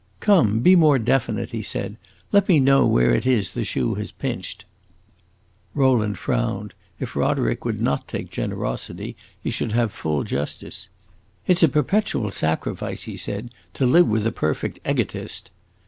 "Come, be more definite," he said. "Let me know where it is the shoe has pinched." Rowland frowned; if Roderick would not take generosity, he should have full justice. "It 's a perpetual sacrifice," he said, "to live with a perfect egotist."